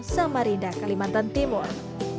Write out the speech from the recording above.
samarinda kalimantan timur